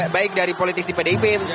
baik dari politisi pdip